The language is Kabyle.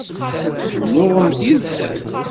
Tennuɣemt yid-sen?